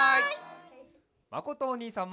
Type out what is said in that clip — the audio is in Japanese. まことおにいさんも！